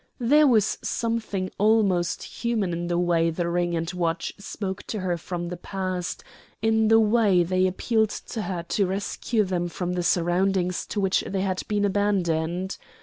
There was something almost human in the way the ring and watch spoke to her from the past in the way they appealed to her to rescue them from the surroundings to which they had been abandoned.